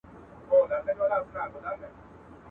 o څوک چي لاس در پوري بند کي، مه ئې غوڅوه.